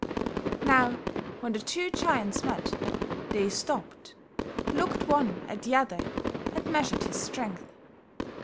"Now, when the two giants met, they stopped, looked one at the other and measured his strength.